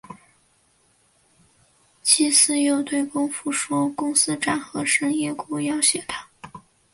季姒又对公甫说公思展和申夜姑要挟她。